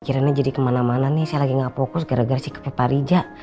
kiranya jadi kemana mana nih saya lagi nggak fokus gara gara sikapnya pak rija